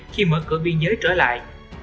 khi mở cửa biên giới trở lại